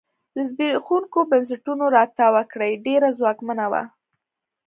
له زبېښونکو بنسټونو راتاوه کړۍ ډېره ځواکمنه وه.